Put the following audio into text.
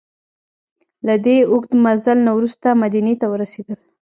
له دې اوږده مزل نه وروسته مدینې ته ورسېدل.